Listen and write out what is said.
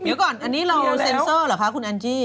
เดี๋ยวก่อนอันนี้เราเซ็นเซอร์เหรอคะคุณแอนจี้